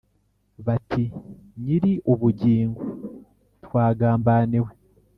bati"nyiri ubugingo twagambaniwe